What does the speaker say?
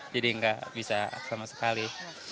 jadi nggak bisa sama sekali